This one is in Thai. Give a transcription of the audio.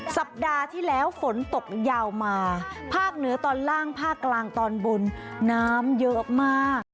สัปดาห์ที่แล้วฝนตกยาวมาภาคเหนือตอนล่างภาคกลางตอนบนน้ำเยอะมาก